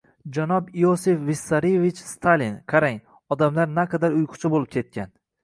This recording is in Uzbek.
“Janob Iosif Vissarionovich Stalin, qarang, odamlar naqadar uyquchi bo’lib ketgan…